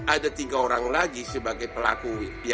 ada tiga orang lagi sebagai pelaku